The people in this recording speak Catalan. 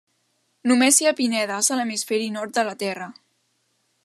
Només hi ha pinedes a l'hemisferi nord de la Terra.